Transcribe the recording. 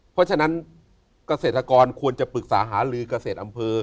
เพราะฉะนั้นเกษตรกรควรจะปรึกษาหาลือเกษตรอำเภอ